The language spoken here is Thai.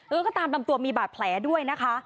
แล้วก็ตามตามตัวมีบาดแผลด้วยนะคะ